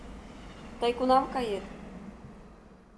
Тый кунам кает?